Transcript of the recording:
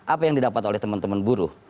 apa yang didapat oleh teman teman buruh